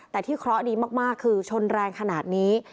แต่ที่เคราะห์ดีมากคือชนแรงขนาดนี้